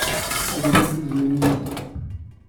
Ad ilin d tizzyiwin yid-k.